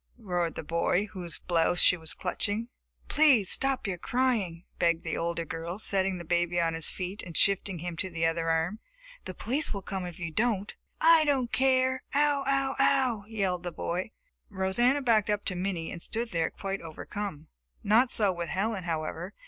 roared the boy whose blouse she was clutching. "Please stop your crying," begged the older girl, setting the baby on his feet and shifting him to the other arm. "The police will come if you don't." "I don't care! Ow, ow, ow!" yelled the boy. Rosanna backed up to Minnie and stood there quite overcome. Not so with Helen, however.